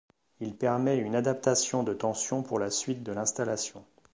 Il permet une adaptation de tension pour la suite de l'installation.